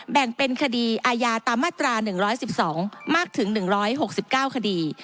แบ่งเป็นคดีอาญาตามมาตรา๑๑๒มากถึง๑๖๙คดี